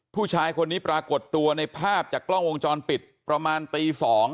ผู้ชายคนนี้ปรากฏตัวในภาพจากกล้องวงจรปิดประมาณตี๒